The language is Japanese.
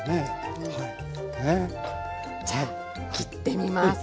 じゃあ切ってみます。